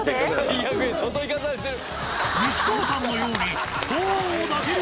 最悪や外行かされてる。